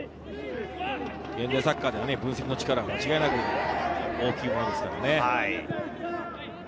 サッカーでは分析の力が間違いなく大きいですからね。